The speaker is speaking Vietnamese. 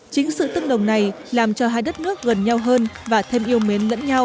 chính sự tương đồng này làm cho hai đất nước gần nhau hơn và thêm yêu mến lẫn nhau